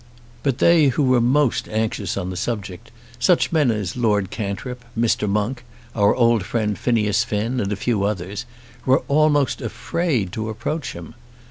But they who were most anxious on the subject, such men as Lord Cantrip, Mr. Monk, our old friend Phineas Finn, and a few others, were almost afraid to approach him.